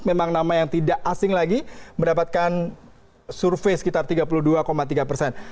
memang nama yang tidak asing lagi mendapatkan survei sekitar tiga puluh dua tiga persen